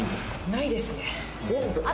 ないですね。